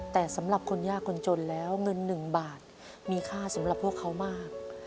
แต่สำหรับคนยากคนจนแล้วเงิน๑บาทมีค่าสำหรับพวกเขามาก